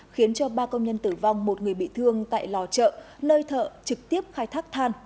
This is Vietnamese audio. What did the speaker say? khiến cho ba công nhân tử vong một người bị thương tại lò chợ nơi thợ trực tiếp khai thác than